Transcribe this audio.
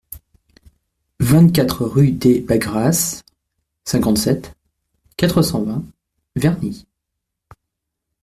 vingt-quatre rue des Bagrasses, cinquante-sept, quatre cent vingt, Verny